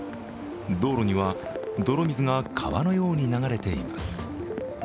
道路には泥水が川のように流れています。